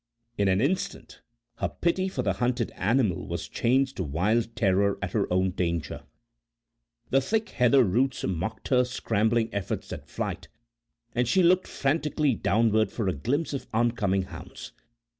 In an instant her pity for the hunted animal was changed to wild terror at her own danger; the thick heather roots mocked her scrambling efforts at flight, and she looked frantically downward for a glimpse of oncoming hounds.